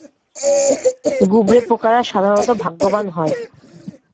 গুবরেপোকারা সাধারণত ভাগ্যবান হয়।